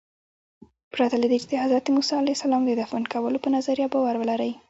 پرته له دې چې د حضرت موسی د دفن کولو په نظریه باور ولرئ.